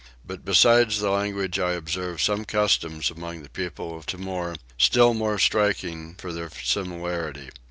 But besides the language I observed some customs among the people of Timor still more striking for their similarity.